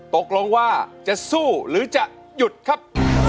ตกลงว่าจะสู้หรือจะหยุดครับ